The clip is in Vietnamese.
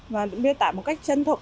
và miêu tả một cách chân thực